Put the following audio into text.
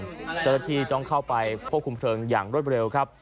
ของเมื่อวาน๓นาทีต้องเข้าไปควบคุมเพลิงอย่างรวดเร็วครับ